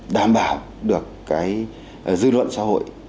đảm bảo được cái dư luận xã hội